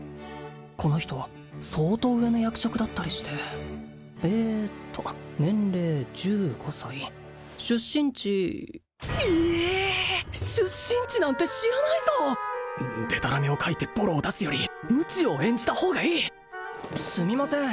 この人相当上の役職だったりしてえっと年齢１５歳出身地ええ出身地なんて知らないぞでたらめを書いてボロを出すより無知を演じた方がいいすみません